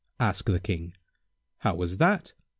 Asked the King, "How was that?"